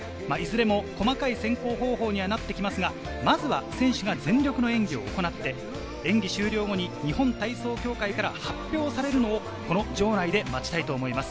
細かい選考方法になってきますが、まずは選手が全力の演技を行って、演技終了後に日本体操協会から発表されるのをこの場内で待ちたいと思います。